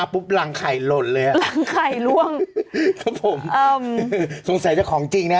ปุ๊บรังไข่หล่นเลยรังไข่ร่วงครับผมอ้๋อสงสัยว่าของจริงน่ะ